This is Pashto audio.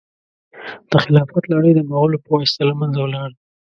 د خلافت لړۍ د مغولو په واسطه له منځه ولاړه.